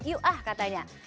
yuk ah katanya